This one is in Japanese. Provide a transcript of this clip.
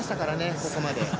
ここまで。